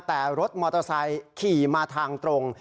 แต่รถมอเตอร์ไซค์ขี่มาทางตรง